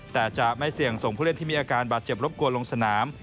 แต่จะไม่เสี่ยงส่งผู้เล่นที่มีอาการบาดเจ็บรบกวนลงสนาม